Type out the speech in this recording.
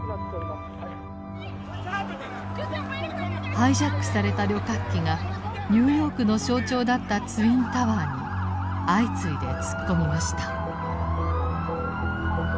ハイジャックされた旅客機がニューヨークの象徴だったツインタワーに相次いで突っ込みました。